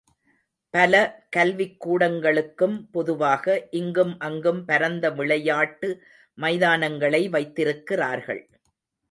பல கல்விக்கூடங்களுக்கும் பொதுவாக, இங்கும் அங்கும், பரந்த விளையாட்டு மைதானங்களை வைத்திருக்கிறார்கள்.